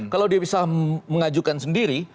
kalau dia bisa mengajukan sendiri